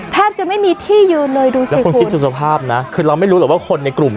แทบจะไม่มีที่ยืนเลยดูสิแล้วคุณคิดดูสภาพนะคือเราไม่รู้หรอกว่าคนในกลุ่ม